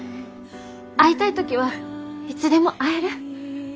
会いたい時はいつでも会える。